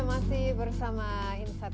ya masih bersama insight